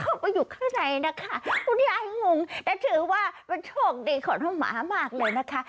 เข้าไปอยู่ข้างในนะคะคุณยายงงแต่ถือว่าเป็นโชคดีของน้องหมามากเลยนะคะ